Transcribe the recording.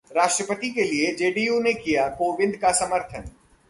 राष्ट्रपति के लिए जेडीयू ने किया कोविंद का समर्थन